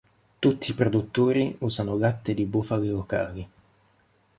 Tutti i produttori usano latte di bufale locali.